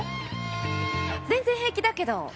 全然平気だけど。